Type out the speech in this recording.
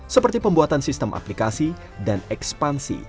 seperti pembuatan sistem aplikasi dan ekspansi